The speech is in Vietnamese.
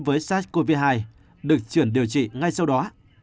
với sars cov hai được chuyển điều trị ngay sau đó